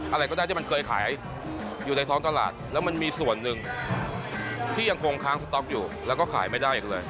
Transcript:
อะไรก็ได้ที่มันเคยขายอยู่ในท้องตลาดแล้วมันมีส่วนหนึ่งที่ยังคงค้างสต๊อกอยู่แล้วก็ขายไม่ได้อีกเลย